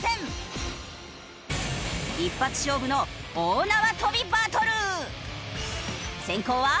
一発勝負の大縄跳びバトル！